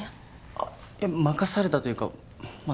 あ任されたというかまあ